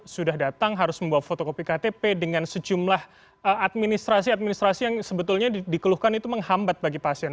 sudah datang harus membawa fotokopi ktp dengan sejumlah administrasi administrasi yang sebetulnya dikeluhkan itu menghambat bagi pasien